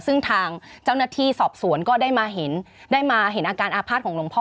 ซึ่งทางเจ้าหน้าที่สอบสวนก็ได้มาเห็นได้มาเห็นอาการอาภาษณ์ของหลวงพ่อ